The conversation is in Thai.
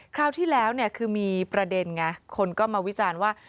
คราวที่แล้วคือมีประเด็นไงคนก็มาวิจารณ์ว่า